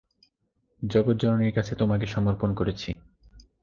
জগজ্জননীর কাছে তোমাকে সমর্পণ করেছি।